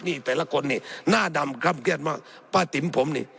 นี่แต่ละคนนี่หน้าดำคล่ำเครียดมากป้าติ๋มผมนี่